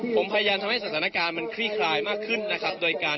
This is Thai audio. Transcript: ผมพยายามทำให้สถานการณ์มันคลี่คลายมากขึ้นนะครับโดยการ